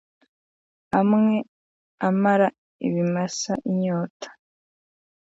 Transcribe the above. amwe amara ibimasa inyota